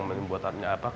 sepuluh persen ya